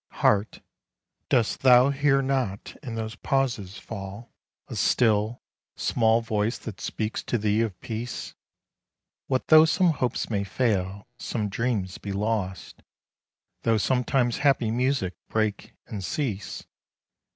Heart, dost thou hear not in those pauses fall A still, small voice that speaks to thee of peace? What though some hopes may fail, some dreams be lost, Though sometimes happy music break and cease.